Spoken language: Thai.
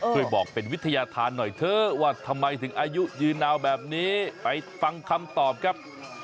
ช่วยบอกเป็นวิทยาธารหน่อยเถอะว่าทำไมถึงอายุยืนยาวแบบนี้ไปฟังคำตอบครับ